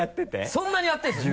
そんなにやってるんですよ